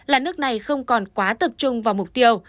là nước này không còn quá tập trung vào mục tiêu